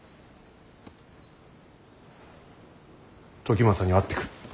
時政に会ってくる。